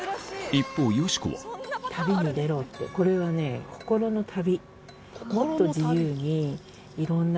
一方よしこは「旅に出ろ」ってこれはね心の旅。